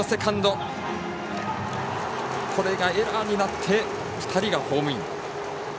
これがエラーになって２人がホームイン。